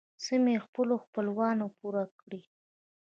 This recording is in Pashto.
څه مې له خپلو خپلوانو پور کړې.